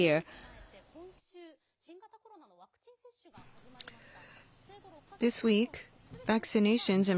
その冬に備えて、今週、新型コロナのワクチン接種が始まりました。